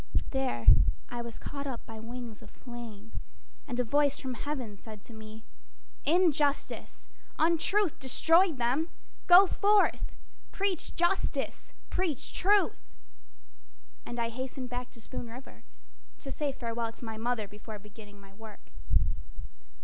There I was caught up by wings of flame, And a voice from heaven said to me: "Injustice, Untruth destroyed them. Go forth Preach Justice! Preach Truth!" And I hastened back to Spoon River To say farewell to my mother before beginning my work.